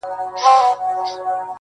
• هنر هنر سوم زرګري کومه ښه کومه ,